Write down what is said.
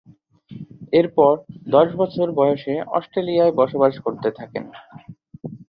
এরপর দশ বছর বয়সে অস্ট্রেলিয়ায় বসবাস করতে থাকেন।